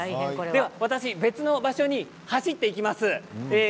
私、別の場所に走って行きます。